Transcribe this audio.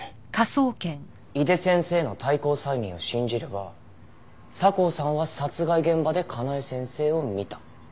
井手先生の退行催眠を信じれば佐向さんは殺害現場で香奈枝先生を見た。